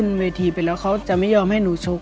ก็พูดว่าวันนี้มีคนจะมาวางยานักมัวให้ระวังดีนะครับ